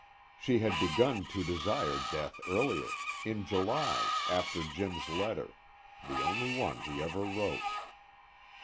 She had begun to desire death earlier in July, after Jim's letter, the only one he ever wrote.